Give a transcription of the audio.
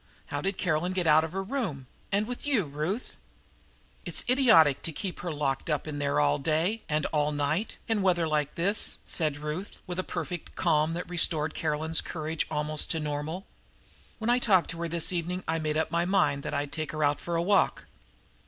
How did Caroline get out of her room and with you, Ruth?" "It's idiotic to keep her locked up there all day and all night, in weather like this," said Ruth, with a perfect calm that restored Caroline's courage almost to the normal. "When I talked to her this evening I made up my mind that I'd take her out for a walk."